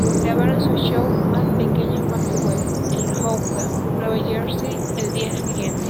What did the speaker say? Grabaron su show más pequeño en Maxwell en Hoboken, Nueva Jersey el día siguiente.